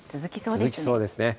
続きそうですね。